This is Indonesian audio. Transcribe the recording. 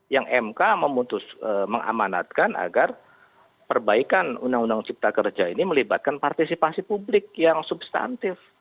yang mk memutuskan mengamanatkan agar perbaikan undang undang cipta kerja ini melibatkan partisipasi publik yang substantif